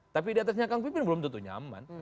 tapi diatasnya kang vipin belum tentu nyaman